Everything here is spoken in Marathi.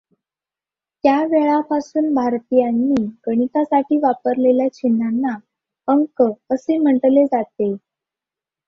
त्यावेळापासून भारतीयांनी गणितासाठी वापरलेल्या चिन्हांना अंक असे म्हटले जाते.